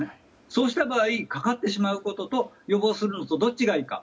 そうした場合かかってしまうことと予防することとどっちがいいか。